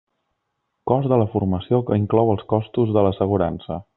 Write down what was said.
Cost de la formació que inclou els costos de l'assegurança.